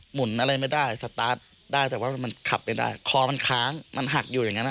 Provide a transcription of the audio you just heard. หุ่นอะไรไม่ได้สตาร์ทได้แต่ว่ามันขับไม่ได้คอมันค้างมันหักอยู่อย่างนั้น